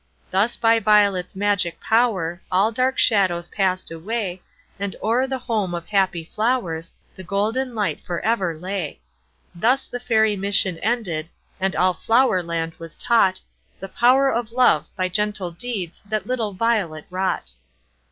Thus, by Violet's magic power, All dark shadows passed away, And o'er the home of happy flowers The golden light for ever lay. Thus the Fairy mission ended, And all Flower Land was taught The "Power of Love," by gentle deeds That little Violet wrought.